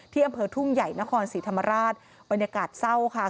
อำเภอทุ่งใหญ่นครศรีธรรมราชบรรยากาศเศร้าค่ะ